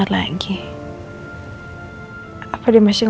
orang rena tanyain kamu terus